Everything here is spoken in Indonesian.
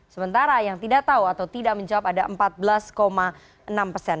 sementara yang tidak tahu atau tidak menjawab ada empat belas enam persen